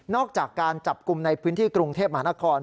จากการจับกลุ่มในพื้นที่กรุงเทพมหานคร